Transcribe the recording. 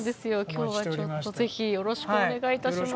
今日はちょっとぜひよろしくお願いいたします。